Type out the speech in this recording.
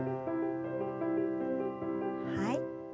はい。